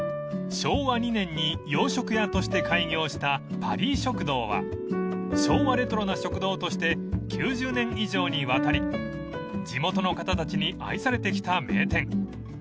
［昭和２年に洋食屋として開業したパリー食堂は昭和レトロな食堂として９０年以上にわたり地元の方たちに愛されてきた名店］